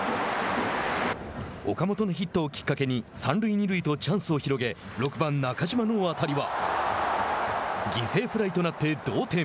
岡本のヒットをきっかけに三塁二塁とチャンスを広げ６番、中島の当たりは犠牲フライとなって同点。